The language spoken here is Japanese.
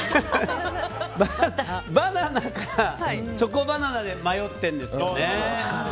バナナか、チョコバナナで迷ってるんですよね。